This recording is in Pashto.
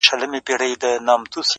• یوه ورځ هم پر غلطه نه وو تللی ,